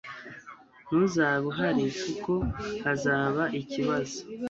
Ntuzabe uhari kuko hazaba ikibazo